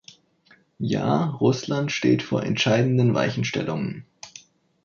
Ja, Russland steht vor entscheidenden Weichenstellungen.